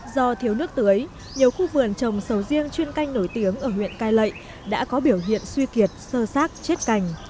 do thiếu nước tưới nhiều khu vườn trồng sầu riêng chuyên canh nổi tiếng ở huyện cai lệ đã có biểu hiện suy kiệt sơ sát chết cành